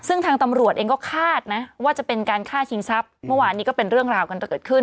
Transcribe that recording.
ซึ่งทางตำรวจเองก็คาดนะว่าจะเป็นการฆ่าชิงทรัพย์เมื่อวานนี้ก็เป็นเรื่องราวกันเกิดขึ้น